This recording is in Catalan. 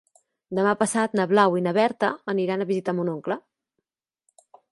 Demà passat na Blau i na Berta aniran a visitar mon oncle.